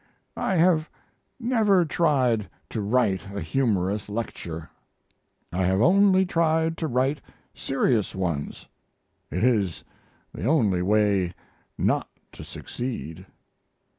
I have never tried to write a humorous lecture; I have only tried to write serious ones it is the only way not to succeed.